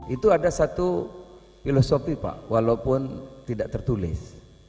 itu ada satu filosofi pak walaupun tidak tertulis